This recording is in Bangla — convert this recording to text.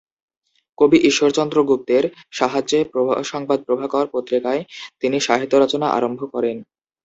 কবি ঈশ্বরচন্দ্র গুপ্তের সাহায্যে সংবাদ প্রভাকর পত্রিকায় তিনি সাহিত্য রচনা আরম্ভ করেন।